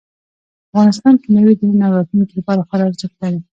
افغانستان کې مېوې د نن او راتلونکي لپاره خورا ارزښت لري.